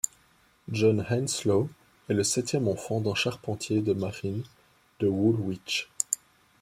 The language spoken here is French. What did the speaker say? John Henslow est le septième enfant d'un charpentier de marine de Woolwich.